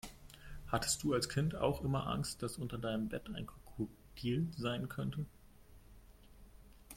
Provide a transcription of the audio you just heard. Hattest du als Kind auch immer Angst, dass unter deinem Bett ein Krokodil sein könnte?